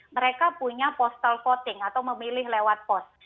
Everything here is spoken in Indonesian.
mereka punya postal voting atau memilih lewat pos